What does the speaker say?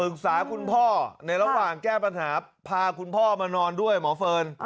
คุณพ่อในระหว่างแก้ปัญหาพาคุณพ่อมานอนด้วยหมอเฟิร์น